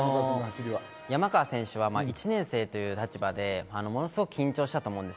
山川選手は１年生という立場で、ものすごく緊張したと思うんです。